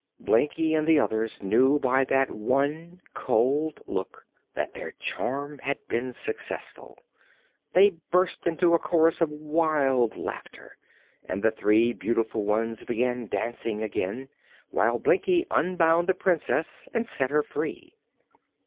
Blinkie and the others knew by that one cold look that their charm had been successful. They burst into a chorus of wild laughter and the three beautiful ones began dancing again, while Blinkie unbound the Princess and set her free.